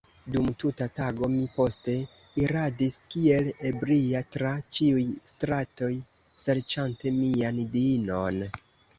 Dum tuta tago mi poste iradis kiel ebria tra ĉiuj stratoj, serĉante mian diinon.